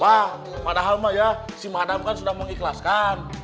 wah padahal mah ya si madam kan sudah mengikhlaskan